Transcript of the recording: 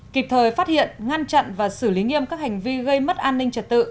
kịp thời phát hiện ngăn chặn và xử lý nghiêm các hành vi gây mất an ninh trật tự